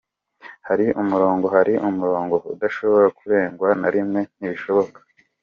Hari umurongo, hari umurongo udashobora kurengwa na rimwe, ntibishoboka!….”